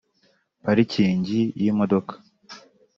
parikingi y’imodoka